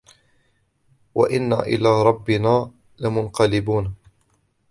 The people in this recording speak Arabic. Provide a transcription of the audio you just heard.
وَإِنَّا إِلَى رَبِّنَا لَمُنْقَلِبُونَ